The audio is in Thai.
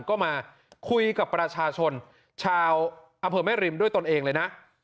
ก็มาคุยกับประชาชนชาวอำเภอแม่ริมด้วยตนเองเลยนะ